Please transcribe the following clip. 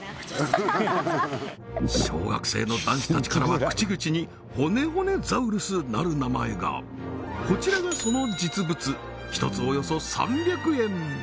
小学生の男子たちからは口々にほねほねザウルスなる名前がこちらがその実物１つおよそ３００円